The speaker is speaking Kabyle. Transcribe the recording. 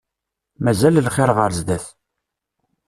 Mazal lxir ɣer sdat.